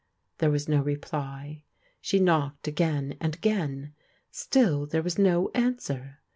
There was no reply. She knocked again and again, still there was no answer.